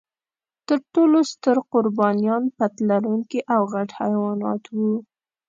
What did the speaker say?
تر ټولو ستر قربانیان پت لرونکي او غټ حیوانات و.